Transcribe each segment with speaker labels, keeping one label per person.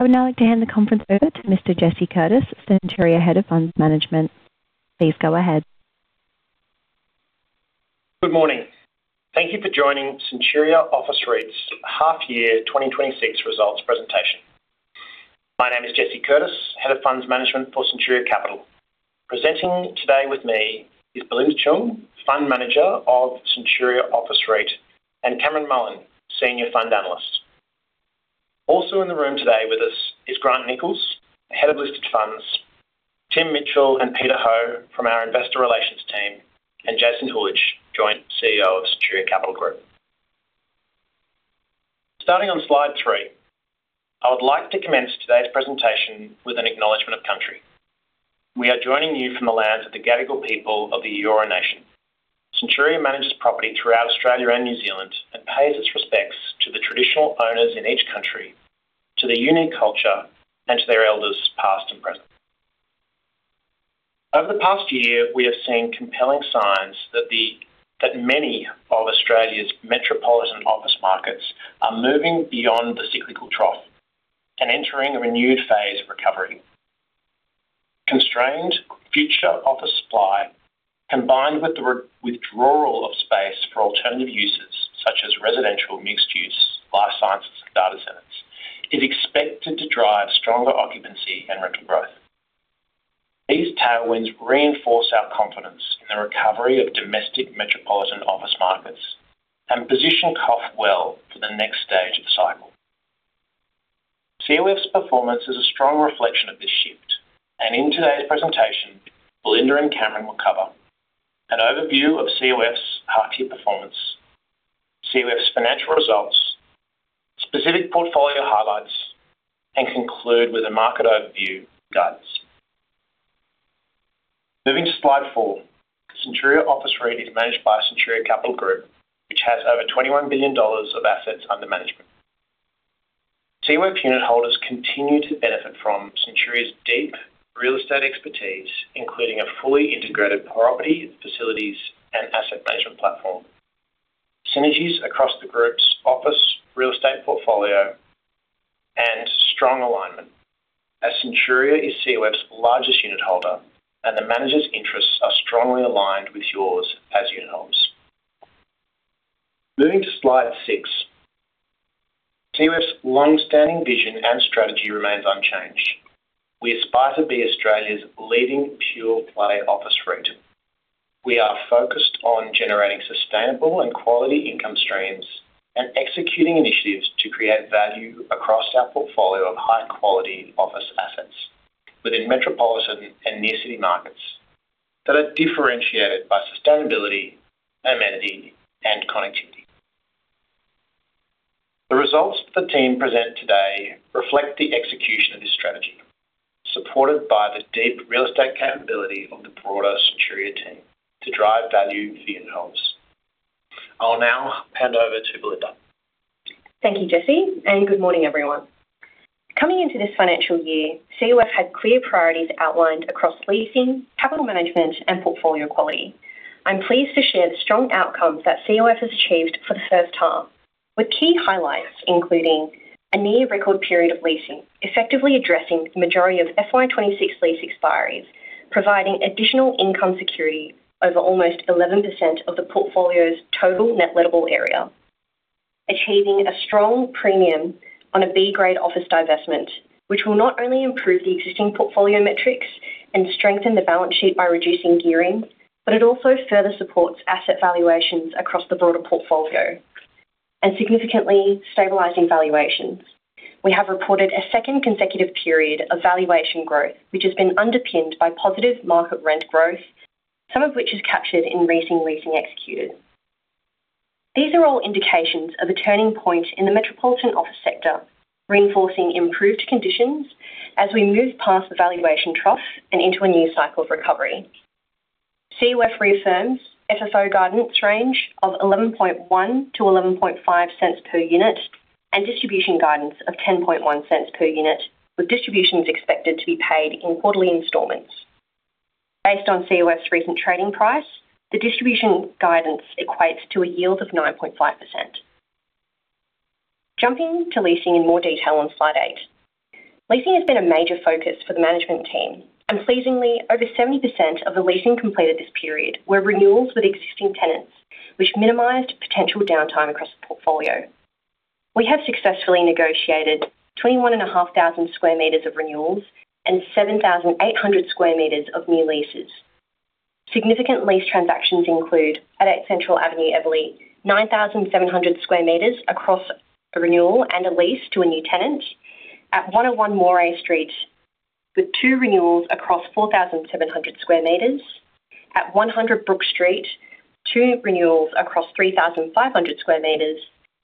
Speaker 1: I would now like to hand the conference over to Mr. Jesse Curtis, Centuria Head of Funds Management. Please go ahead.
Speaker 2: Good morning. Thank you for joining Centuria Office REIT's Half Year 2026 Results presentation. My name is Jesse Curtis, Head of Funds Management for Centuria Capital. Presenting today with me is Belinda Cheung, Fund Manager of Centuria Office REIT, and Cameron Mullen, Senior Fund Analyst. Also in the room today with us is Grant Nichols, Head of Listed Funds, Tim Mitchell and Peter Ho from our Investor Relations Team, and Jason Huljich, Joint CEO of Centuria Capital Group. Starting on slide three, I would like to commence today's presentation with an acknowledgment of country. We are joining you from the lands of the Gadigal people of the Eora Nation. Centuria manages property throughout Australia and New Zealand and pays its respects to the traditional owners in each country, to the unique culture, and to their elders, past and present. Over the past year, we have seen compelling signs that many of Australia's metropolitan office markets are moving beyond the cyclical trough and entering a renewed phase of recovery. Constrained future office supply, combined with the withdrawal of space for alternative uses such as residential mixed-use, life sciences, and data centers, is expected to drive stronger occupancy and rental growth. These tailwinds reinforce our confidence in the recovery of domestic metropolitan office markets and position COF well for the next stage of the cycle. COF's performance is a strong reflection of this shift, and in today's presentation, Belinda and Cameron will cover: an overview of COF's half-year performance, COF's financial results, specific portfolio highlights, and conclude with a market overview guidance. Moving to slide four, Centuria Office REIT is managed by Centuria Capital Group, which has over 21 billion dollars of assets under management. COF unit holders continue to benefit from Centuria's deep real estate expertise, including a fully integrated property, facilities, and asset management platform. Synergies across the group's office real estate portfolio and strong alignment, as Centuria is COF's largest unit holder and the managers' interests are strongly aligned with yours as unit holders. Moving to slide six, COF's longstanding vision and strategy remains unchanged. We aspire to be Australia's leading pure play office REIT. We are focused on generating sustainable and quality income streams and executing initiatives to create value across our portfolio of high-quality office assets within metropolitan and near-city markets that are differentiated by sustainability, amenity, and connectivity. The results that the team present today reflect the execution of this strategy, supported by the deep real estate capability of the broader Centuria team to drive value for unit holders. I will now hand over to Belinda.
Speaker 3: Thank you, Jesse, and good morning, everyone. Coming into this financial year, COF had clear priorities outlined across leasing, capital management, and portfolio quality. I'm pleased to share the strong outcomes that COF has achieved for the first time, with key highlights including a near-record period of leasing, effectively addressing the majority of FY 2026 lease expiries, providing additional income security over almost 11% of the portfolio's total net lettable area. Achieving a strong premium on a B-grade office divestment, which will not only improve the existing portfolio metrics and strengthen the balance sheet by reducing gearing, but it also further supports asset valuations across the broader portfolio. And significantly, stabilizing valuations. We have reported a second consecutive period of valuation growth, which has been underpinned by positive market rent growth, some of which is captured in recent leasing executed. These are all indications of a turning point in the metropolitan office sector, reinforcing improved conditions as we move past the valuation trough and into a new cycle of recovery. COF reaffirms FFO guidance range of 0.111-0.115 per unit and distribution guidance of 0.101 per unit, with distributions expected to be paid in quarterly installments. Based on COF's recent trading price, the distribution guidance equates to a yield of 9.5%. Jumping to leasing in more detail on slide eight, leasing has been a major focus for the management team, and pleasingly, over 70% of the leasing completed this period were renewals with existing tenants, which minimized potential downtime across the portfolio. We have successfully negotiated 21,500 sq m of renewals and 7,800 sq m of new leases. Significant lease transactions include, at 8 Central Avenue, Eveleigh, 9,700 sq m across a renewal and a lease to a new tenant; at 101 Moray Street, with two renewals across 4,700 sq m; at 100 Brookes Street, two renewals across 3,500 sq m;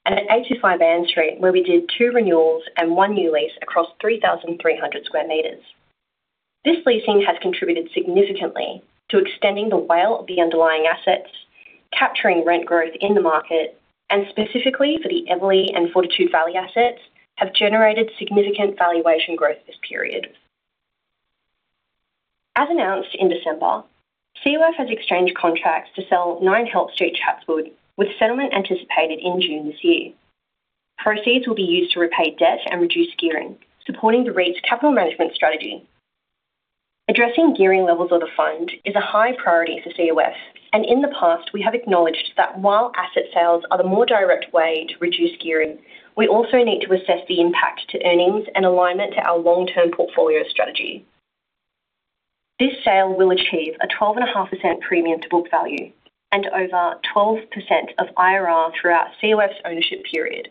Speaker 3: and at 825 Ann Street, where we did two renewals and one new lease across 3,300 sq m. This leasing has contributed significantly to extending the WALE of the underlying assets, capturing rent growth in the market, and specifically for the Eveleigh and Fortitude Valley assets have generated significant valuation growth this period. As announced in December, COF has exchanged contracts to sell 9 Help Street Chatswood, with settlement anticipated in June this year. Proceeds will be used to repay debt and reduce gearing, supporting the REIT's capital management strategy. Addressing gearing levels of the fund is a high priority for COF, and in the past, we have acknowledged that while asset sales are the more direct way to reduce gearing, we also need to assess the impact to earnings and alignment to our long-term portfolio strategy. This sale will achieve a 12.5% premium to book value and over 12% of IRR throughout COF's ownership period.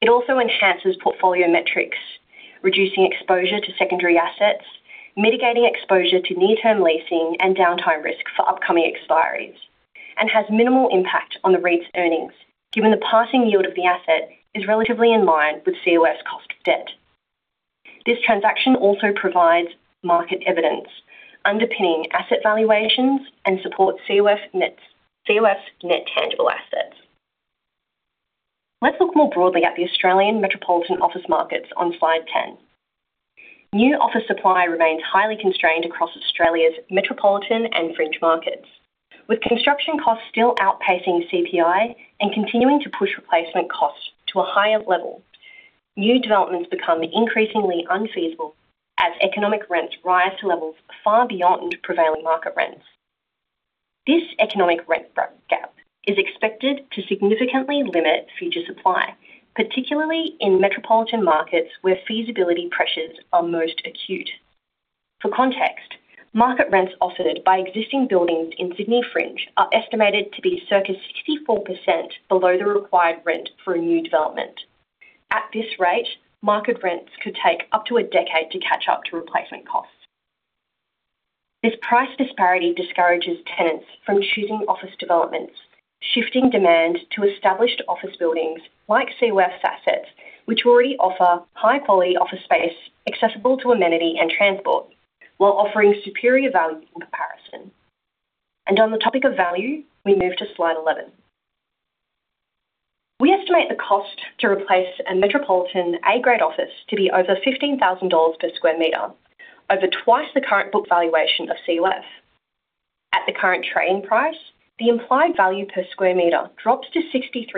Speaker 3: It also enhances portfolio metrics, reducing exposure to secondary assets, mitigating exposure to near-term leasing and downtime risk for upcoming expiries, and has minimal impact on the REIT's earnings, given the passing yield of the asset is relatively in line with COF's cost of debt. This transaction also provides market evidence, underpinning asset valuations and supports COF's net tangible assets. Let's look more broadly at the Australian metropolitan office markets on slide 10. New office supply remains highly constrained across Australia's metropolitan and fringe markets. With construction costs still outpacing CPI and continuing to push replacement costs to a higher level, new developments become increasingly unfeasible as economic rents rise to levels far beyond prevailing market rents. This economic rent gap is expected to significantly limit future supply, particularly in metropolitan markets where feasibility pressures are most acute. For context, market rents offered by existing buildings in Sydney Fringe are estimated to be circa 64% below the required rent for a new development. At this rate, market rents could take up to a decade to catch up to replacement costs. This price disparity discourages tenants from choosing office developments, shifting demand to established office buildings like COF's assets, which already offer high-quality office space accessible to amenity and transport, while offering superior value in comparison. On the topic of value, we move to slide 11. We estimate the cost to replace a metropolitan A-grade office to be over 15,000 dollars per sq m, over twice the current book valuation of COF. At the current trading price, the implied value per sq m drops to 63%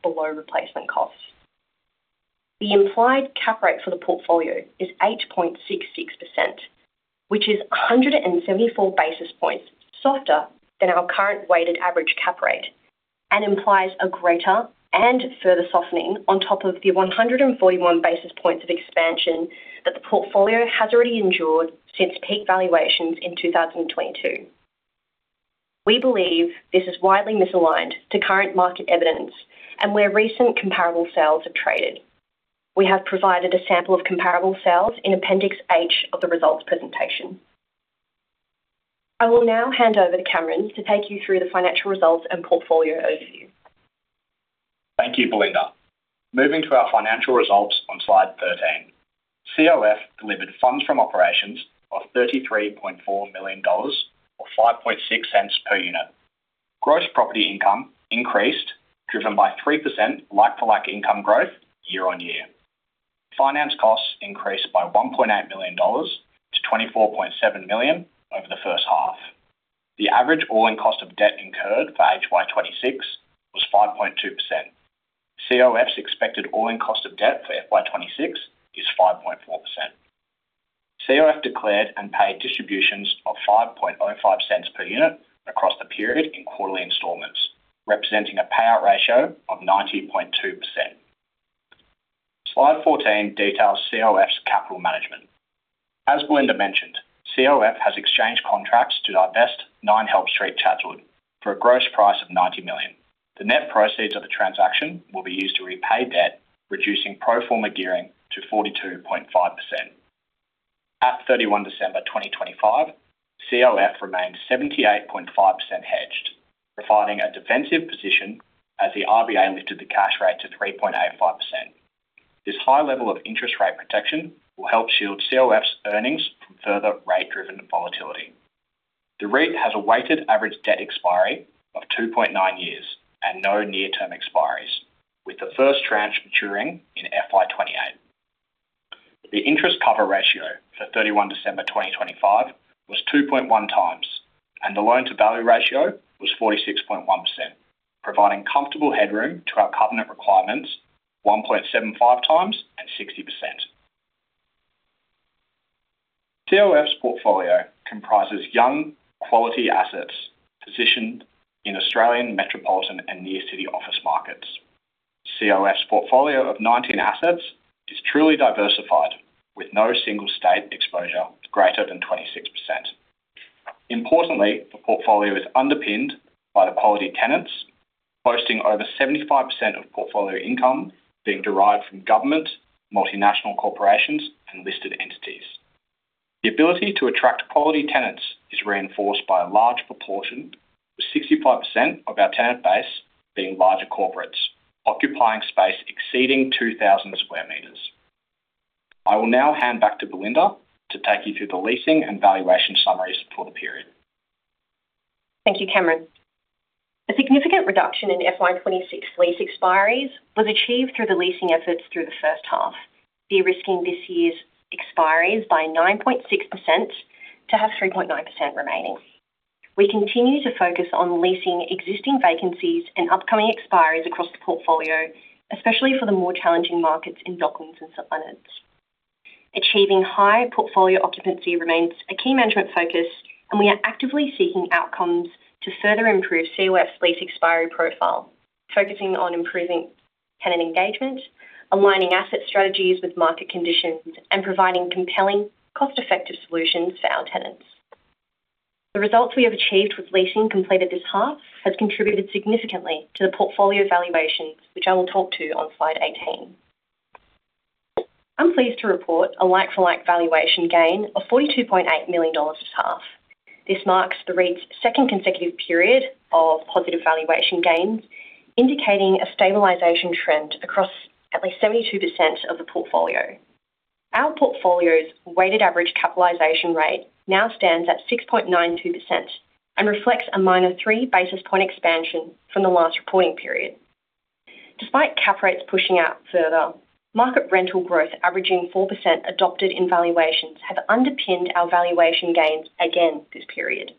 Speaker 3: below replacement costs. The implied cap rate for the portfolio is 8.66%, which is 174 basis points softer than our current weighted average cap rate and implies a greater and further softening on top of the 141 basis points of expansion that the portfolio has already endured since peak valuations in 2022. We believe this is widely misaligned to current market evidence and where recent comparable sales have traded. We have provided a sample of comparable sales in Appendix H of the results presentation. I will now hand over to Cameron to take you through the financial results and portfolio overview.
Speaker 4: Thank you, Belinda. Moving to our financial results on slide 13, COF delivered funds from operations of 33.4 million dollars or 0.056 per unit. Gross property income increased, driven by 3% like-for-like income growth year-on-year. Finance costs increased by 1.8 million-24.7 million dollars over the first half. The average all-in cost of debt incurred for HY 2026 was 5.2%. COF's expected all-in cost of debt for FY 2026 is 5.4%. COF declared and paid distributions of 0.0505 per unit across the period in quarterly installments, representing a payout ratio of 90.2%. Slide 14 details COF's capital management. As Belinda mentioned, COF has exchanged contracts to divest 9 Help Street Chatswood for a gross price of 90 million. The net proceeds of the transaction will be used to repay debt, reducing pro forma gearing to 42.5%. At 31 December 2025, COF remained 78.5% hedged, providing a defensive position as the RBA lifted the cash rate to 3.85%. This high level of interest rate protection will help shield COF's earnings from further rate-driven volatility. The REIT has a weighted average debt expiry of 2.9 years and no near-term expiries, with the first tranche maturing in FY28. The interest cover ratio for 31 December 2025 was 2.1 times, and the loan-to-value ratio was 46.1%, providing comfortable headroom to our covenant requirements 1.75 times and 60%. COF's portfolio comprises young, quality assets positioned in Australian metropolitan and near-city office markets. COF's portfolio of 19 assets is truly diversified, with no single-state exposure greater than 26%. Importantly, the portfolio is underpinned by the quality tenants, boasting over 75% of portfolio income being derived from government, multinational corporations, and listed entities. The ability to attract quality tenants is reinforced by a large proportion, with 65% of our tenant base being larger corporates occupying space exceeding 2,000 sq m. I will now hand back to Belinda to take you through the leasing and valuation summaries for the period.
Speaker 3: Thank you, Cameron. A significant reduction in FY 2026 lease expiries was achieved through the leasing efforts through the first half, de-risking this year's expiries by 9.6% to have 3.9% remaining. We continue to focus on leasing existing vacancies and upcoming expiries across the portfolio, especially for the more challenging markets in Docklands and St Leonards. Achieving high portfolio occupancy remains a key management focus, and we are actively seeking outcomes to further improve COF's lease expiry profile, focusing on improving tenant engagement, aligning asset strategies with market conditions, and providing compelling, cost-effective solutions for our tenants. The results we have achieved with leasing completed this half have contributed significantly to the portfolio valuations, which I will talk to on slide 18. I'm pleased to report a like-for-like valuation gain of 42.8 million dollars this half. This marks the REIT's second consecutive period of positive valuation gains, indicating a stabilization trend across at least 72% of the portfolio. Our portfolio's weighted average capitalization rate now stands at 6.92% and reflects a minor 3 basis point expansion from the last reporting period. Despite cap rates pushing out further, market rental growth averaging 4% adopted in valuations have underpinned our valuation gains again this period.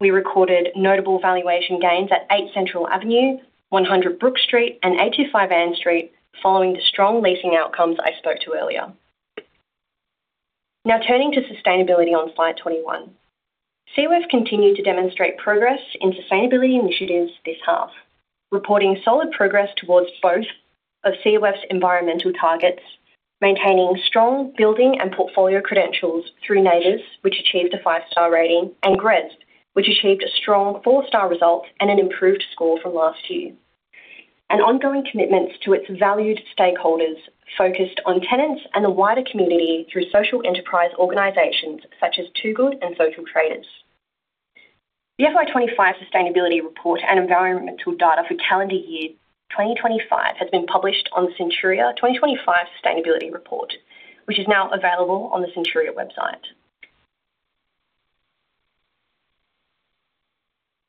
Speaker 3: We recorded notable valuation gains at 8 Central Avenue, 100 Brookes Street, and 825 Ann Street following the strong leasing outcomes I spoke to earlier. Now turning to sustainability on slide 21, COF continued to demonstrate progress in sustainability initiatives this half, reporting solid progress towards both of COF's environmental targets, maintaining strong building and portfolio credentials through NABERS, which achieved a five-star rating, and GRESB, which achieved a strong four-star result and an improved score from last year, and ongoing commitments to its valued stakeholders focused on tenants and the wider community through social enterprise organizations such as Two Good and Social Traders. The FY 2025 sustainability report and environmental data for calendar year 2025 has been published on Centuria 2025 Sustainability Report, which is now available on the Centuria website.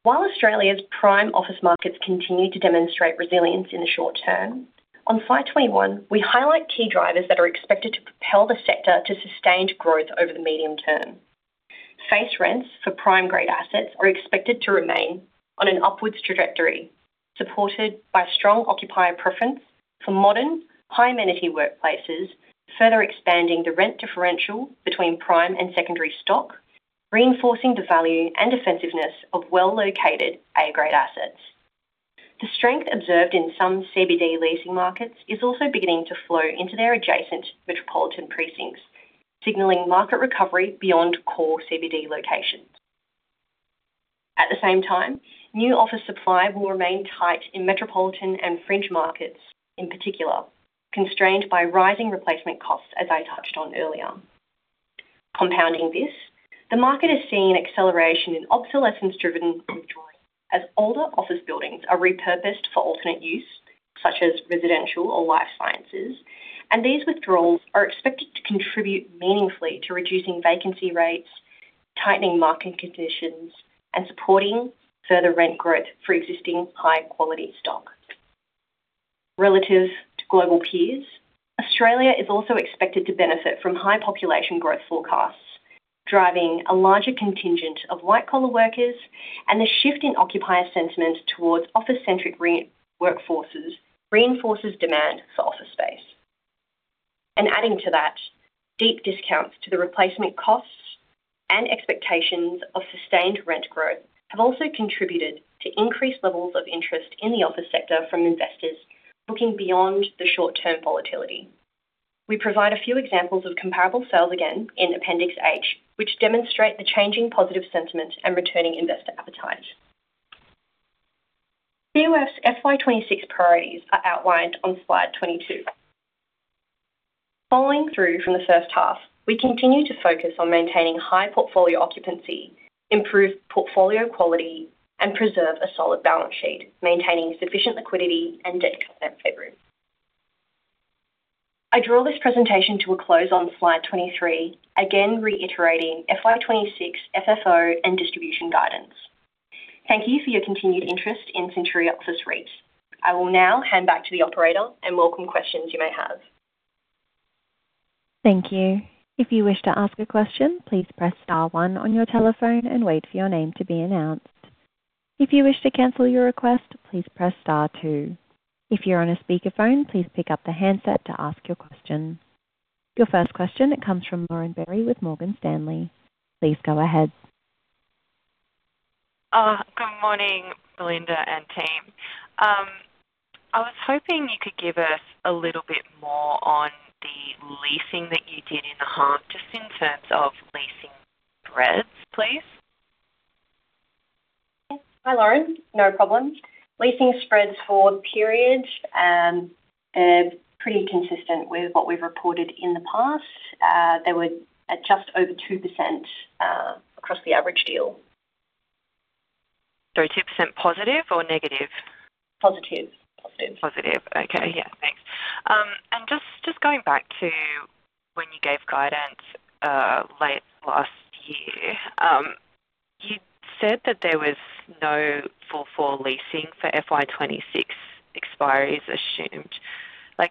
Speaker 3: While Australia's prime office markets continue to demonstrate resilience in the short term, on slide 21, we highlight key drivers that are expected to propel the sector to sustained growth over the medium term. Face rents for prime-grade assets are expected to remain on an upwards trajectory, supported by strong occupier preference for modern, high-amenity workplaces, further expanding the rent differential between prime and secondary stock, reinforcing the value and defensiveness of well-located A-grade assets. The strength observed in some CBD leasing markets is also beginning to flow into their adjacent metropolitan precincts, signaling market recovery beyond core CBD locations. At the same time, new office supply will remain tight in metropolitan and fringe markets in particular, constrained by rising replacement costs as I touched on earlier. Compounding this, the market is seeing an acceleration in obsolescence-driven withdrawals as older office buildings are repurposed for alternate use, such as residential or life sciences, and these withdrawals are expected to contribute meaningfully to reducing vacancy rates, tightening market conditions, and supporting further rent growth for existing high-quality stock. Relative to global peers, Australia is also expected to benefit from high population growth forecasts, driving a larger contingent of white-collar workers, and the shift in occupier sentiment towards office-centric workforces reinforces demand for office space. And adding to that, deep discounts to the replacement costs and expectations of sustained rent growth have also contributed to increased levels of interest in the office sector from investors looking beyond the short-term volatility. We provide a few examples of comparable sales again in Appendix H, which demonstrate the changing positive sentiment and returning investor appetite. COF's FY 2026 priorities are outlined on slide 22. Following through from the first half, we continue to focus on maintaining high portfolio occupancy, improve portfolio quality, and preserve a solid balance sheet, maintaining sufficient liquidity and debt covenant headroom. I draw this presentation to a close on slide 23, again reiterating FY 2026 FFO and distribution guidance. Thank you for your continued interest in Centuria Office REIT. I will now hand back to the operator and welcome questions you may have.
Speaker 1: Thank you. If you wish to ask a question, please press star one on your telephone and wait for your name to be announced. If you wish to cancel your request, please press star two. If you're on a speakerphone, please pick up the handset to ask your question. Your first question, it comes from Lauren Berry with Morgan Stanley. Please go ahead.
Speaker 5: Good morning, Belinda and team. I was hoping you could give us a little bit more on the leasing that you did in the half just in terms of leasing spreads, please.
Speaker 3: Hi, Lauren. No problem. Leasing spreads for the period are pretty consistent with what we've reported in the past. They were at just over 2% across the average deal.
Speaker 5: 2% positive or negative?
Speaker 3: Positive. Positive.
Speaker 5: Positive. Okay. Yeah. Thanks. Just going back to when you gave guidance late last year, you said that there was no full floor leasing for FY 2026 expiries assumed.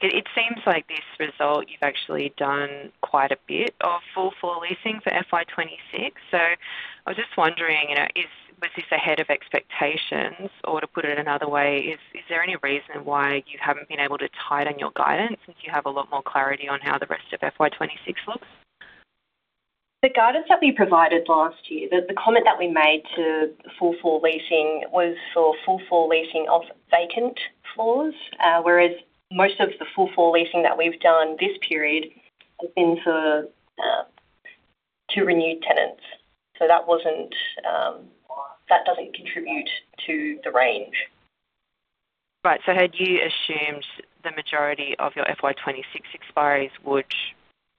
Speaker 5: It seems like this result you've actually done quite a bit of full floor leasing for FY 2026. So I was just wondering, was this ahead of expectations? Or to put it another way, is there any reason why you haven't been able to tighten your guidance since you have a lot more clarity on how the rest of FY 2026 looks?
Speaker 3: The guidance that we provided last year, the comment that we made to full floor leasing was for full floor leasing of vacant floors, whereas most of the full floor leasing that we've done this period has been for two renewed tenants. So that doesn't contribute to the range.
Speaker 5: Right. So had you assumed the majority of your FY 2026 expiries would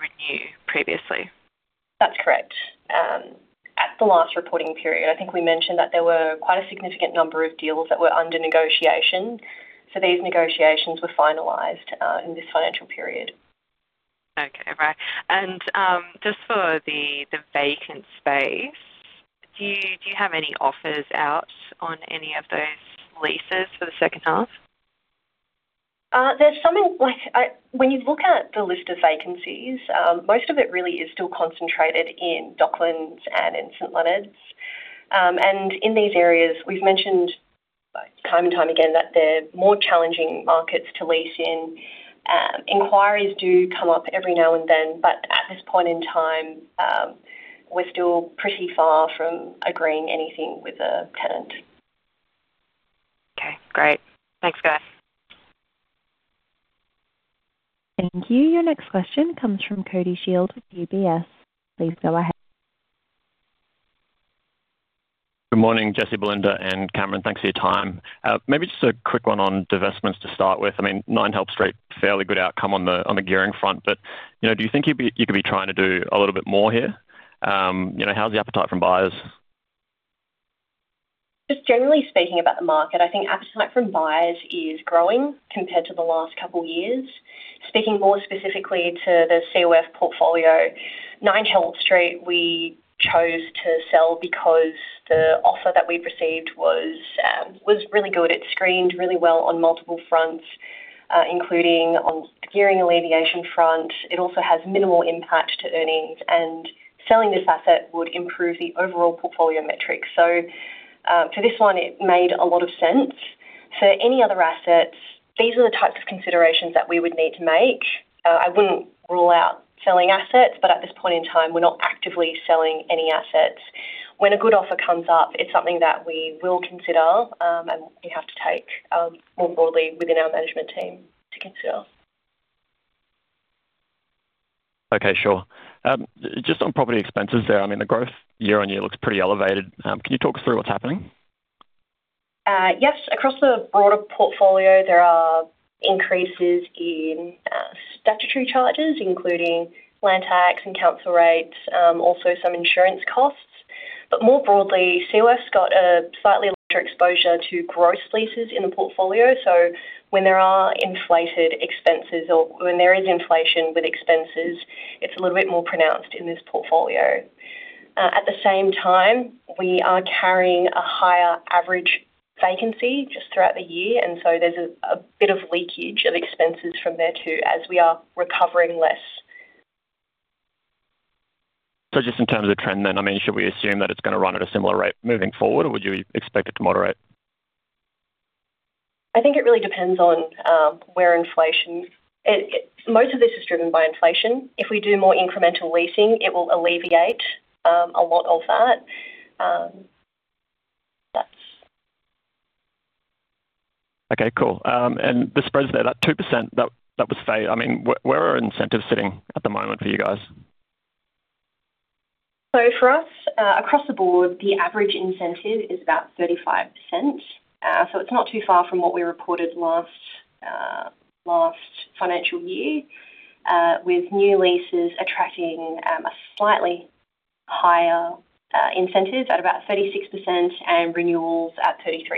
Speaker 5: renew previously?
Speaker 3: That's correct. At the last reporting period, I think we mentioned that there were quite a significant number of deals that were under negotiation. So these negotiations were finalized in this financial period.
Speaker 5: Okay. Right. Just for the vacant space, do you have any offers out on any of those leases for the second half?
Speaker 3: There's some when you look at the list of vacancies, most of it really is still concentrated in Docklands and in St Leonards. In these areas, we've mentioned time and time again that they're more challenging markets to lease in. Inquiries do come up every now and then, but at this point in time, we're still pretty far from agreeing anything with a tenant.
Speaker 5: Okay. Great. Thanks, guys.
Speaker 1: Thank you. Your next question comes from Cody Shield with UBS. Please go ahead.
Speaker 6: Good morning, Jesse, Belinda, and Cameron. Thanks for your time. Maybe just a quick one on divestments to start with. I mean, 9 Help Street, fairly good outcome on the gearing front, but do you think you could be trying to do a little bit more here? How's the appetite from buyers?
Speaker 3: Just generally speaking about the market, I think appetite from buyers is growing compared to the last couple of years. Speaking more specifically to the COF portfolio, 9 Help Street, we chose to sell because the offer that we'd received was really good. It screened really well on multiple fronts, including on the gearing alleviation front. It also has minimal impact to earnings, and selling this asset would improve the overall portfolio metrics. So for this one, it made a lot of sense. For any other assets, these are the types of considerations that we would need to make. I wouldn't rule out selling assets, but at this point in time, we're not actively selling any assets. When a good offer comes up, it's something that we will consider, and we have to take more broadly within our management team to consider.
Speaker 6: Okay. Sure. Just on property expenses there, I mean, the growth year-over-year looks pretty elevated. Can you talk us through what's happening?
Speaker 3: Yes. Across the broader portfolio, there are increases in statutory charges, including land tax and council rates, also some insurance costs. But more broadly, COF's got a slightly larger exposure to gross leases in the portfolio. So when there are inflated expenses or when there is inflation with expenses, it's a little bit more pronounced in this portfolio. At the same time, we are carrying a higher average vacancy just throughout the year, and so there's a bit of leakage of expenses from there too as we are recovering less.
Speaker 6: So just in terms of trend then, I mean, should we assume that it's going to run at a similar rate moving forward, or would you expect it to moderate?
Speaker 3: I think it really depends on where inflation. Most of this is driven by inflation. If we do more incremental leasing, it will alleviate a lot of that.
Speaker 6: Okay. Cool. And the spreads there, that 2%, that was fair. I mean, where are incentives sitting at the moment for you guys?
Speaker 3: For us, across the board, the average incentive is about 35%. It's not too far from what we reported last financial year, with new leases attracting a slightly higher incentive at about 36% and renewals at 33%.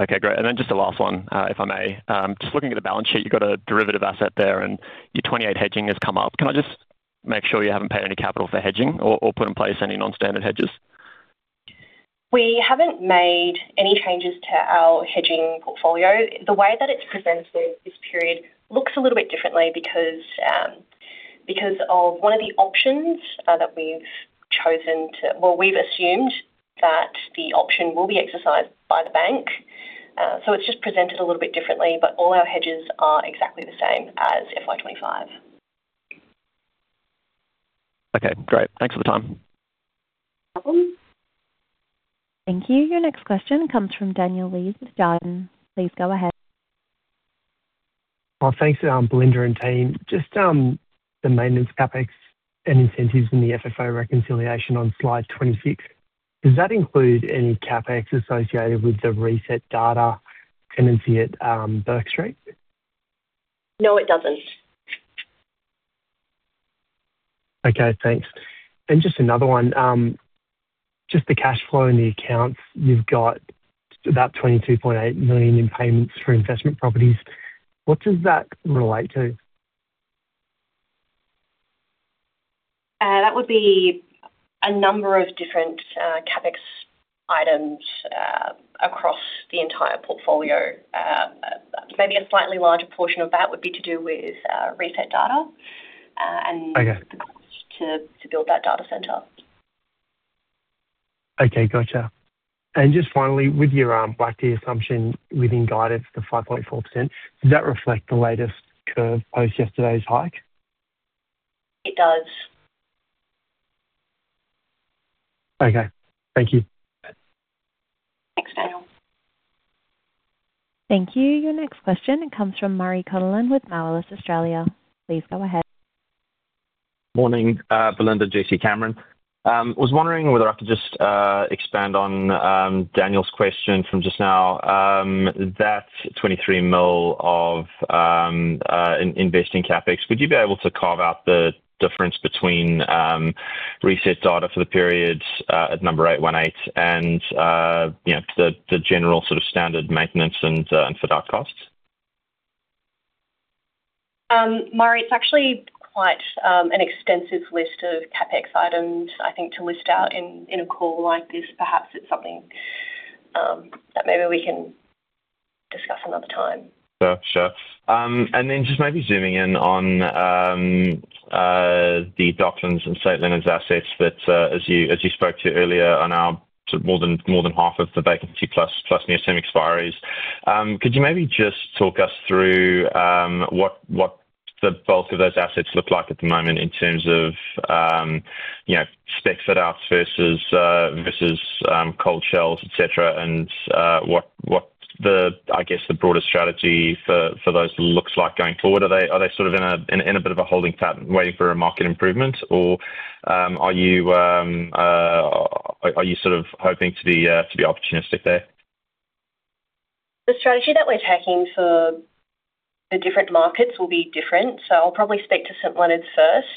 Speaker 6: Okay. Great. And then just the last one, if I may. Just looking at the balance sheet, you've got a derivative asset there, and your 28 hedging has come up. Can I just make sure you haven't paid any capital for hedging or put in place any non-standard hedges?
Speaker 3: We haven't made any changes to our hedging portfolio. The way that it's presented this period looks a little bit differently because of one of the options that we've chosen to, well, we've assumed that the option will be exercised by the bank. So it's just presented a little bit differently, but all our hedges are exactly the same as FY2025.
Speaker 6: Okay. Great. Thanks for the time.
Speaker 3: No problem.
Speaker 1: Thank you. Your next question comes from Daniel Lees with Jarden. Please go ahead.
Speaker 7: Thanks, Belinda and team. Just the maintenance CapEx and incentives in the FFO reconciliation on slide 26, does that include any CapEx associated with the ResetData tenancy at Bourke Street?
Speaker 3: No, it doesn't.
Speaker 7: Okay. Thanks. Just another one. Just the cash flow in the accounts, you've got about 22.8 million in payments for investment properties. What does that relate to?
Speaker 3: That would be a number of different CapEx items across the entire portfolio. Maybe a slightly larger portion of that would be to do with ResetData and the cost to build that data center.
Speaker 7: Okay. Gotcha. Just finally, with your BBSW assumption within guidance, the 5.4%, does that reflect the latest curve post-yesterday's hike?
Speaker 3: It does.
Speaker 7: Okay. Thank you.
Speaker 3: Thanks, Daniel.
Speaker 1: Thank you. Your next question, it comes from Murray Connellan with MA Financial Group. Please go ahead.
Speaker 8: Morning, Belinda, Jesse, Cameron. I was wondering whether I could just expand on Daniel's question from just now. That 23 million of investing CapEx, would you be able to carve out the difference between ResetData for the period at number 818 and the general sort of standard maintenance and for that cost?
Speaker 3: Murray, it's actually quite an extensive list of CapEx items, I think, to list out in a call like this. Perhaps it's something that maybe we can discuss another time.
Speaker 8: Sure. Sure. And then just maybe zooming in on the Docklands and St Leonards assets that, as you spoke to earlier on our sort of more than half of the vacancy plus near-term expiries, could you maybe just talk us through what the bulk of those assets look like at the moment in terms of spec fit-outs versus cold shells, etc., and what, I guess, the broader strategy for those looks like going forward? Are they sort of in a bit of a holding pattern waiting for a market improvement, or are you sort of hoping to be opportunistic there?
Speaker 3: The strategy that we're taking for the different markets will be different. So I'll probably speak to St Leonards first.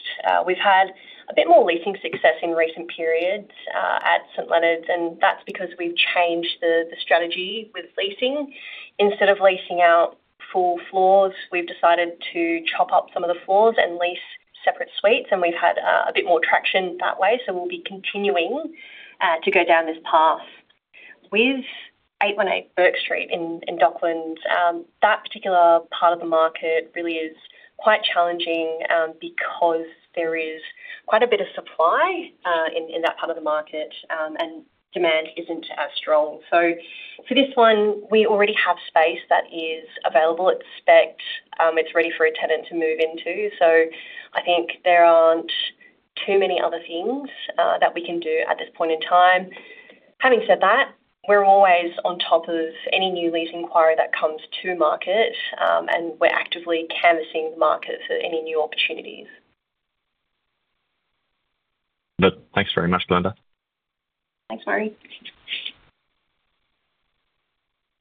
Speaker 3: We've had a bit more leasing success in recent periods at St Leonards, and that's because we've changed the strategy with leasing. Instead of leasing out full floors, we've decided to chop up some of the floors and lease separate suites, and we've had a bit more traction that way. So we'll be continuing to go down this path. With 818 Bourke Street in Docklands, that particular part of the market really is quite challenging because there is quite a bit of supply in that part of the market and demand isn't as strong. So for this one, we already have space that is available at spec. It's ready for a tenant to move into. I think there aren't too many other things that we can do at this point in time. Having said that, we're always on top of any new lease inquiry that comes to market, and we're actively canvassing the market for any new opportunities.
Speaker 8: Good. Thanks very much, Belinda.
Speaker 3: Thanks, Murray.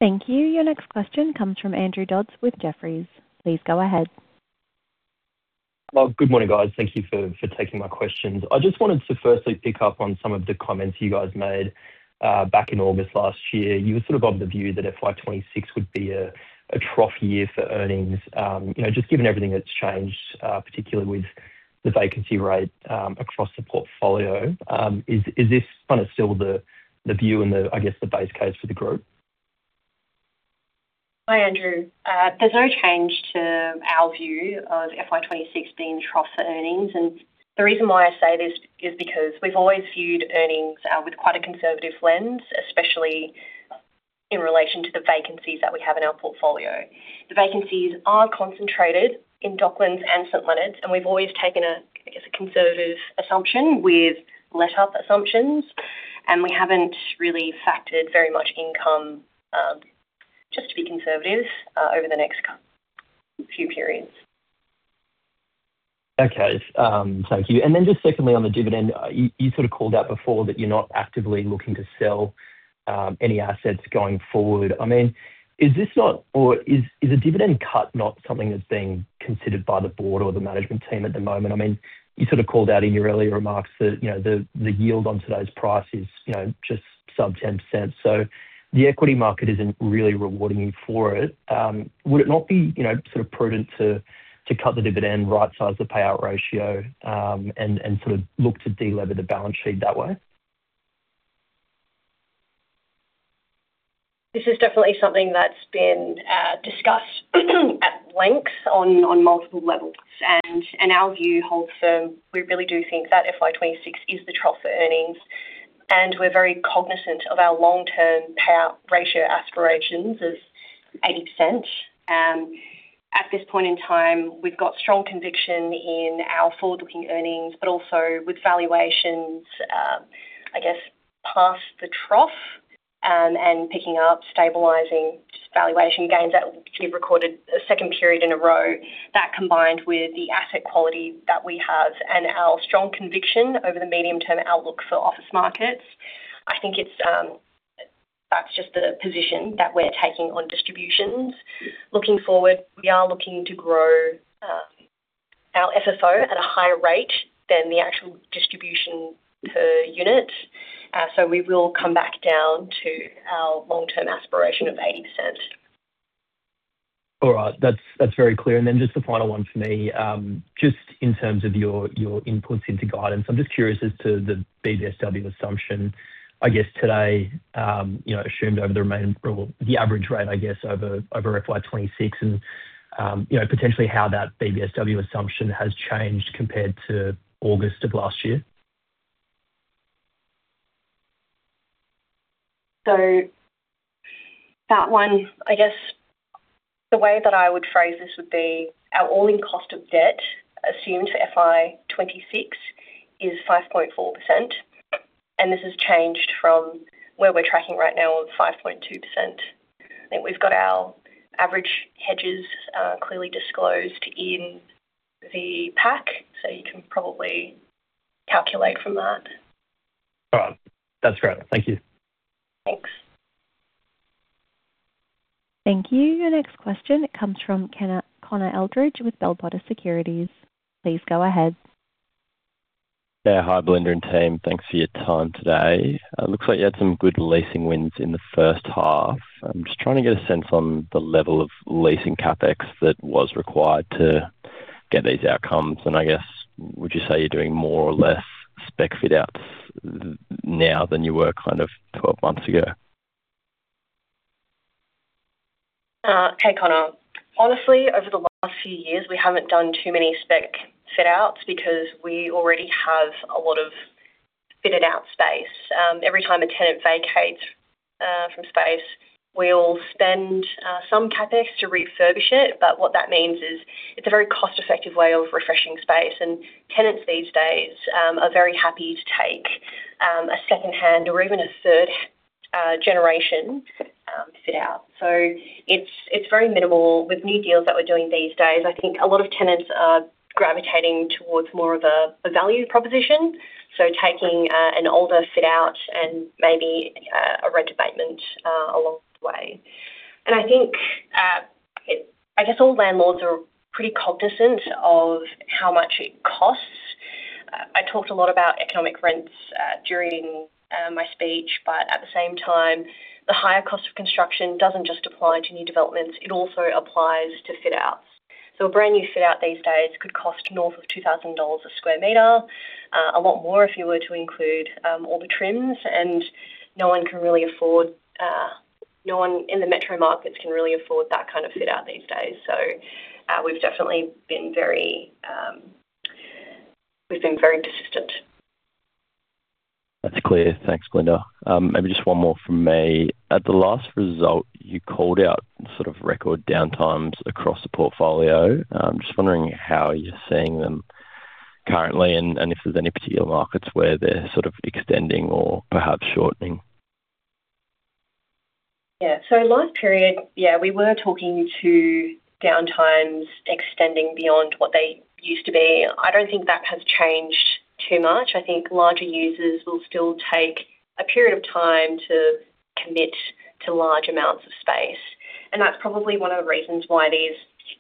Speaker 1: Thank you. Your next question comes from Andrew Dodds with Jefferies. Please go ahead.
Speaker 9: Well, good morning, guys. Thank you for taking my questions. I just wanted to firstly pick up on some of the comments you guys made back in August last year. You were sort of of the view that FY 2026 would be a trough year for earnings. Just given everything that's changed, particularly with the vacancy rate across the portfolio, is this kind of still the view and, I guess, the base case for the group?
Speaker 3: Hi, Andrew. There's no change to our view of FY 2026 being a trough for earnings. The reason why I say this is because we've always viewed earnings with quite a conservative lens, especially in relation to the vacancies that we have in our portfolio. The vacancies are concentrated in Docklands and St Leonards, and we've always taken, I guess, a conservative assumption with lease-up assumptions, and we haven't really factored very much income just to be conservative over the next few periods.
Speaker 9: Okay. Thank you. And then just secondly, on the dividend, you sort of called out before that you're not actively looking to sell any assets going forward. I mean, is this not or is a dividend cut not something that's being considered by the board or the management team at the moment? I mean, you sort of called out in your earlier remarks that the yield on today's price is just sub-10%. So the equity market isn't really rewarding you for it. Would it not be sort of prudent to cut the dividend, right-size the payout ratio, and sort of look to de-lever the balance sheet that way?
Speaker 3: This is definitely something that's been discussed at length on multiple levels, and our view holds firm. We really do think that FY 2026 is the trough for earnings, and we're very cognizant of our long-term payout ratio aspirations of 80%. At this point in time, we've got strong conviction in our forward-looking earnings, but also with valuations, I guess, past the trough and picking up, stabilizing just valuation gains that we've recorded a second period in a row, that combined with the asset quality that we have and our strong conviction over the medium-term outlook for office markets, I think that's just the position that we're taking on distributions. Looking forward, we are looking to grow our FFO at a higher rate than the actual distribution per unit. So we will come back down to our long-term aspiration of 80%.
Speaker 9: All right. That's very clear. And then just the final one for me, just in terms of your inputs into guidance, I'm just curious as to the BBSW assumption, I guess, today assumed over the remaining or the average rate, I guess, over FY 2026 and potentially how that BBSW assumption has changed compared to August of last year.
Speaker 3: So that one, I guess, the way that I would phrase this would be our all-in cost of debt assumed for FY 2026 is 5.4%, and this has changed from where we're tracking right now of 5.2%. I think we've got our average hedges clearly disclosed in the PAC, so you can probably calculate from that.
Speaker 9: All right. That's great. Thank you.
Speaker 3: Thanks.
Speaker 1: Thank you. Your next question, it comes from Connor Eldridge with Bell Potter Securities. Please go ahead.
Speaker 10: Yeah. Hi, Belinda and team. Thanks for your time today. Looks like you had some good leasing wins in the first half. I'm just trying to get a sense on the level of leasing CapEx that was required to get these outcomes. And I guess, would you say you're doing more or less spec fit-outs now than you were kind of 12 months ago?
Speaker 3: Hey, Connor. Honestly, over the last few years, we haven't done too many spec fit-outs because we already have a lot of fitted-out space. Every time a tenant vacates from space, we'll spend some CapEx to refurbish it. But what that means is it's a very cost-effective way of refreshing space, and tenants these days are very happy to take a secondhand or even a third-generation fit-out. So it's very minimal. With new deals that we're doing these days, I think a lot of tenants are gravitating towards more of a value proposition, so taking an older fit-out and maybe a rent abatement along the way. And I think, I guess, all landlords are pretty cognizant of how much it costs. I talked a lot about economic rents during my speech, but at the same time, the higher cost of construction doesn't just apply to new developments. It also applies to fit-outs. So a brand-new fit-out these days could cost north of 2,000 dollars a sq m, a lot more if you were to include all the trims, and no one in the metro markets can really afford that kind of fit-out these days. So we've definitely been very persistent.
Speaker 10: That's clear. Thanks, Belinda. Maybe just one more from me. At the last result, you called out sort of record downtimes across the portfolio. I'm just wondering how you're seeing them currently and if there's any particular markets where they're sort of extending or perhaps shortening?
Speaker 3: Yeah. So last period, yeah, we were talking to downtimes extending beyond what they used to be. I don't think that has changed too much. I think larger users will still take a period of time to commit to large amounts of space. And that's probably one of the reasons why these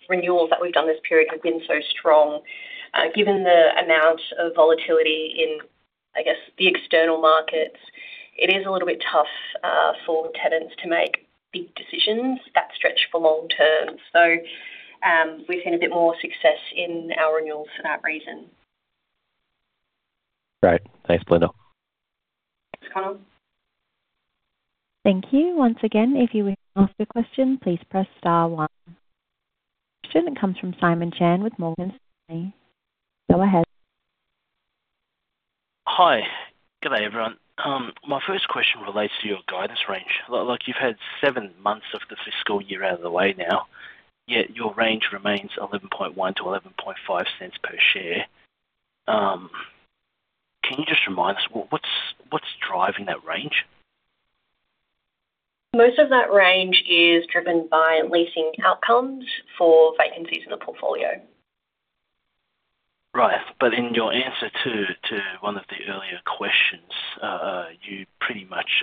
Speaker 3: renewals that we've done this period have been so strong. Given the amount of volatility in, I guess, the external markets, it is a little bit tough for tenants to make big decisions that stretch for long term. So we've seen a bit more success in our renewals for that reason.
Speaker 10: Great. Thanks, Belinda.
Speaker 3: Thanks, Connor.
Speaker 1: Thank you. Once again, if you were to ask a question, please press star one. Question, it comes from Simon Chan with Morgan Stanley. Go ahead.
Speaker 11: Hi. Good day, everyone. My first question relates to your guidance range. You've had seven months of the fiscal year out of the way now, yet your range remains 0.111-0.115 per share. Can you just remind us what's driving that range?
Speaker 3: Most of that range is driven by leasing outcomes for vacancies in the portfolio.
Speaker 11: Right. But in your answer to one of the earlier questions, you pretty much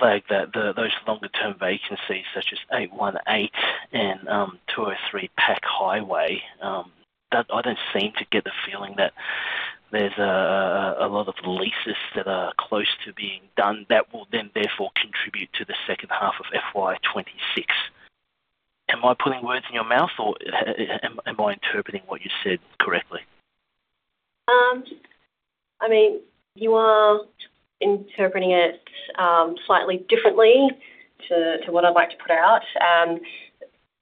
Speaker 11: flagged that those longer-term vacancies such as 818 and 203 Pacific Highway, I don't seem to get the feeling that there's a lot of leases that are close to being done that will then, therefore, contribute to the second half of FY 2026. Am I putting words in your mouth, or am I interpreting what you said correctly?
Speaker 3: I mean, you are interpreting it slightly differently to what I'd like to put out.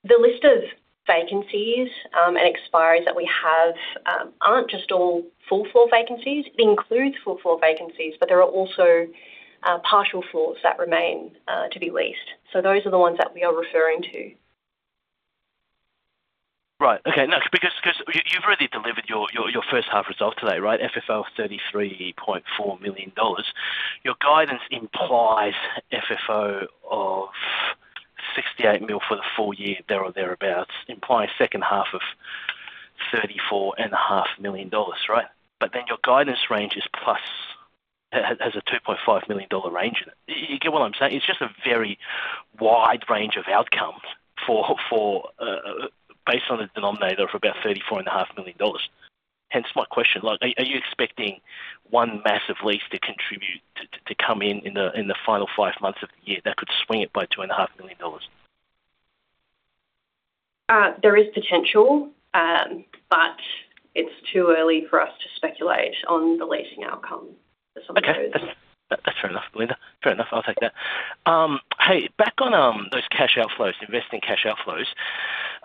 Speaker 3: The list of vacancies and expiries that we have aren't just all full-floor vacancies. It includes full-floor vacancies, but there are also partial floors that remain to be leased. So those are the ones that we are referring to.
Speaker 11: Right. Okay. No, because you've already delivered your first-half result today, right, FFO of 33.4 million dollars. Your guidance implies FFO of 68 million for the full year there or thereabouts, implying second-half of 34.5 million dollars, right? But then your guidance range has a 2.5 million dollar range in it. You get what I'm saying? It's just a very wide range of outcomes based on the denominator of about 34.5 million dollars. Hence my question. Are you expecting one massive lease to come in in the final five months of the year that could swing it by 2.5 million dollars?
Speaker 3: There is potential, but it's too early for us to speculate on the leasing outcome for some of those.
Speaker 11: Okay. That's fair enough, Belinda. Fair enough. I'll take that. Hey, back on those cash outflows, investing cash outflows,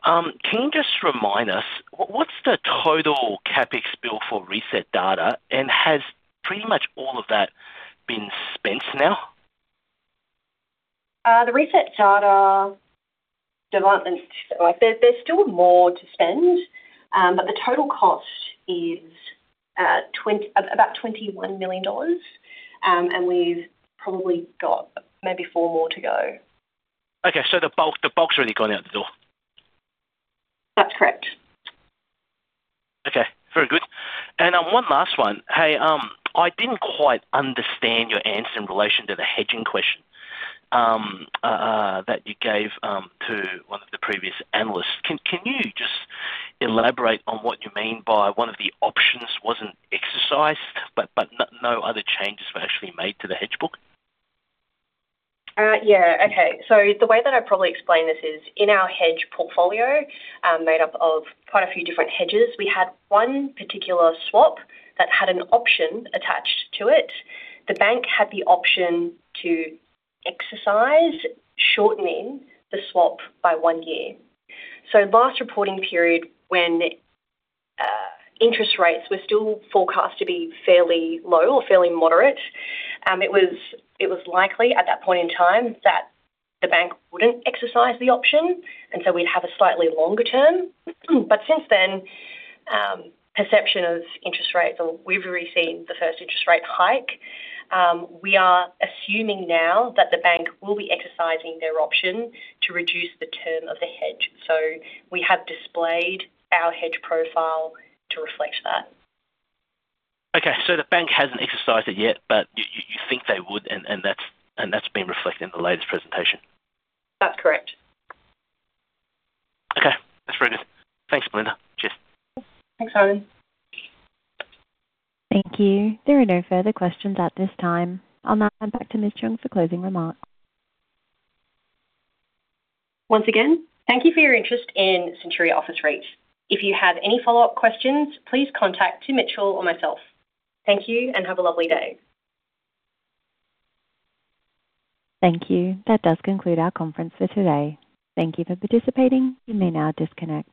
Speaker 11: can you just remind us what's the total CapEx bill for ResetData, and has pretty much all of that been spent now?
Speaker 3: The ResetData development. So there's still more to spend, but the total cost is about 21 million dollars, and we've probably got maybe four more to go.
Speaker 11: Okay. So the bulk's already gone out the door.
Speaker 3: That's correct.
Speaker 11: Okay. Very good. And one last one. Hey, I didn't quite understand your answer in relation to the hedging question that you gave to one of the previous analysts. Can you just elaborate on what you mean by one of the options wasn't exercised but no other changes were actually made to the hedge book?
Speaker 3: Yeah. Okay. So the way that I'd probably explain this is in our hedge portfolio made up of quite a few different hedges, we had one particular swap that had an option attached to it. The bank had the option to exercise shortening the swap by one year. So last reporting period when interest rates were still forecast to be fairly low or fairly moderate, it was likely at that point in time that the bank wouldn't exercise the option, and so we'd have a slightly longer term. But since then, perception of interest rates or we've already seen the first interest rate hike, we are assuming now that the bank will be exercising their option to reduce the term of the hedge. So we have displayed our hedge profile to reflect that.
Speaker 11: Okay. So the bank hasn't exercised it yet, but you think they would, and that's been reflected in the latest presentation?
Speaker 3: That's correct.
Speaker 11: Okay. That's very good. Thanks, Belinda. Cheers.
Speaker 3: Thanks, Simon.
Speaker 1: Thank you. There are no further questions at this time. I'll now hand back to Miss Cheung for closing remarks.
Speaker 3: Once again, thank you for your interest in Centuria Office REIT. If you have any follow-up questions, please contact Tim Mitchell or myself. Thank you, and have a lovely day.
Speaker 1: Thank you. That does conclude our conference for today. Thank you for participating. You may now disconnect.